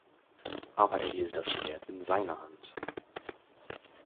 Aber er hielt das Schwert in seiner Hand.